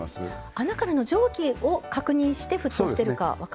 穴からの蒸気を確認して沸騰してるか分かる。